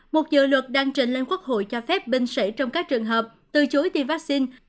một dự luật đang trình lên quốc hội cho phép binh sĩ trong các trường hợp từ chối tiêm vaccine